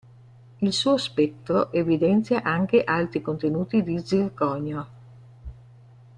Il suo spettro evidenzia anche alti contenuti di zirconio.